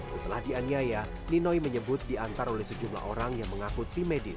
setelah dianiaya ninoi menyebut diantar oleh sejumlah orang yang mengaku tim medis